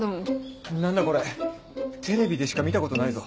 何だこれテレビでしか見たことないぞ。